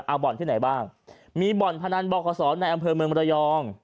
เอาบ่อนที่ไหนบ้างมีบ่อนพนันบขศในอำเภอเมืองมรยอง